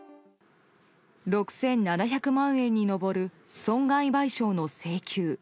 ６７００万円に上る損害賠償の請求。